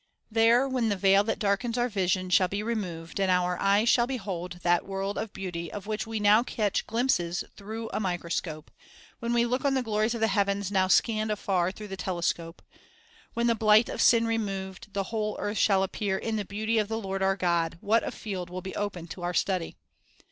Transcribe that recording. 3 There, when the veil that darkens our vision shall be removed, and our eyes shall behold that world of beauty of which we now catch glimpses through the microscope; when we look on the glories of the heavens, now scanned afar through the telescope; when, the blight of sin removed, the whole earth shall appear "in the beauty of the Lord our God," what a field will be open to our study!